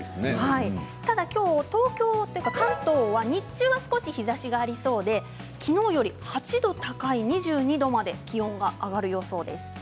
ただきょう東京関東は日中は少し日ざしがありそうできのうより８度高い２２度まで気温が上がる予想です。